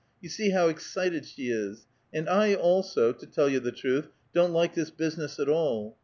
You see how excited she is. And I also, to tell you the truth, don't like this business at all.